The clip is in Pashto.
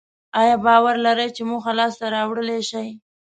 ایا باور لرئ چې موخه لاسته راوړلای شئ؟